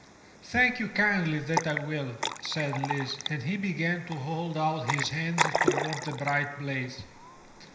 *' "Thank you kindly, that I will," said Lise, and he began to hold out his hands toward the bright blaze.